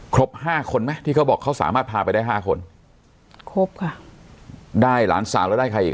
ห้าคนไหมที่เขาบอกเขาสามารถพาไปได้ห้าคนครบค่ะได้หลานสาวแล้วได้ใครอีก